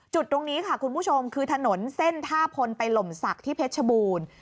จุดตรงนี้ค่ะคุณผู้ชมคือถนนเส้นท่าพลไปหล่มศักดิ์ที่เพชรบูรณ์